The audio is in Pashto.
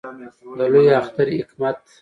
د لوی اختر حکمت